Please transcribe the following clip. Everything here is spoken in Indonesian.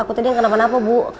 aku tadi kenapa kenapa bu